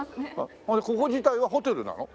それでここ自体はホテルなの？